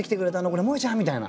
これもえちゃん？みたいな。